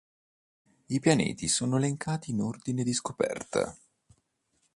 I pianeti sono elencati in ordine di scoperta.